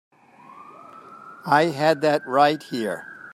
I had that right here.